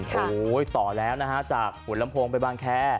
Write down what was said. โอ้โหต่อแล้วนะฮะจากหัวลำโพงไปบางแค